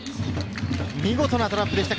見事なトラップでした。